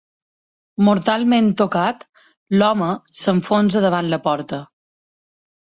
Mortalment tocat, l'home s'enfonsa davant la porta.